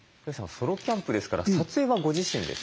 ソロキャンプですから撮影はご自身ですか？